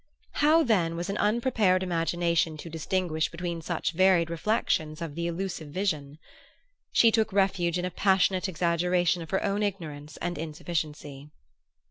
How, then, was an unprepared imagination to distinguish between such varied reflections of the elusive vision? She took refuge in a passionate exaggeration of her own ignorance and insufficiency.